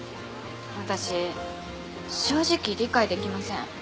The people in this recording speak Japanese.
私正直理解できません。